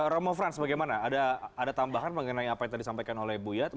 ramo frans bagaimana ada tambahan mengenai apa yang tadi disampaikan oleh buya